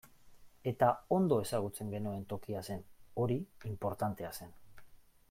Eta ondo ezagutzen genuen tokia zen, hori inportantea zen.